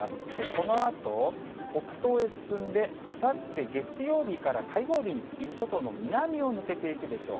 このあと北東へ進んで、あさって月曜日から火曜日に、伊豆諸島の南を抜けていくでしょう。